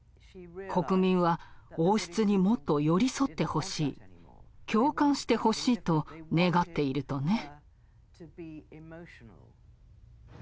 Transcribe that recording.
国民は王室にもっと寄り添ってほしい共感してほしいと願っているとね。